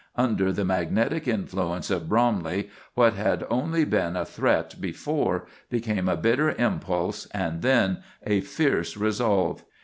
Under the magnetic influence of Bromley, what had only been a threat before became a bitter impulse and then a fierce resolve.